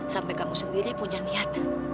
sampai kamu sendiri punya niat